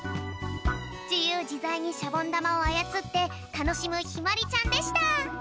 じゆうじざいにシャボンだまをあやつってたのしむひまりちゃんでした。